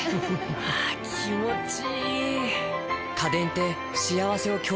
あ気持ちいい！